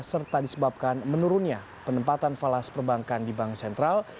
serta disebabkan menurunnya penempatan falas perbankan di bank sentral